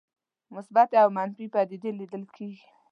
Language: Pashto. مثبتې او منفي پدیدې لیدل کېږي.